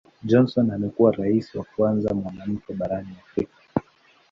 Johnson amekuwa Rais wa kwanza mwanamke barani Afrika.